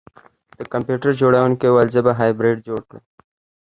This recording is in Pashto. د کمپیوټر جوړونکي وویل زه به هایبریډ جوړ کړم